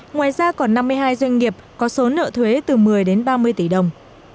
ngoài ra còn năm mươi hai doanh nghiệp có số nợ thuế từ một mươi đến ba mươi tỷ đồng